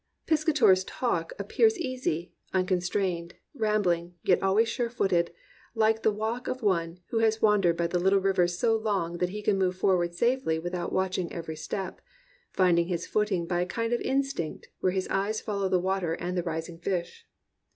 Piscator's talk appears easy, uncon strained, rambling, yet always sure footed, like the walk of one who has wandered by the little rivers so long that he can move forward safely without watching every step, finding his footing by a kind of instinct while his eyes follow the water and the rising fish.